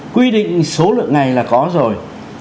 quy định số lượng ngày là có rồi